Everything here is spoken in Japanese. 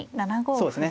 そうですね。